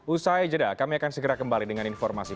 usai jeda kami akan segera kembali dengan informasi